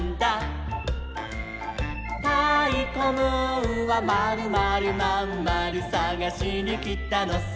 「たいこムーンはまるまるまんまるさがしにきたのさ」